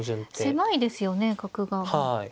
狭いですよね角が。